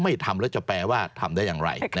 ทำแล้วจะแปลว่าทำได้อย่างไร